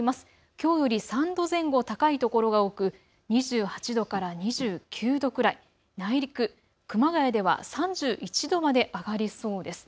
きょうより３度前後高い所が多く２８度から２９度くらい、内陸、熊谷では３１度まで上がりそうです。